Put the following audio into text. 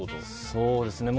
そうですね。